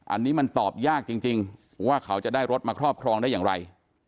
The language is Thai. อันนี้มันตอบยากจริงว่าเขาจะได้รถมาครอบครองได้อย่างไร